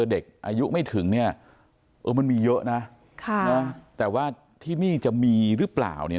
เด็กอายุไม่ถึงเนี่ยเออมันมีเยอะนะแต่ว่าที่นี่จะมีหรือเปล่าเนี่ย